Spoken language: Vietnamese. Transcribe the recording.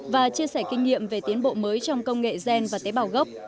và chia sẻ kinh nghiệm về tiến bộ mới trong công nghệ gen và tế bào gốc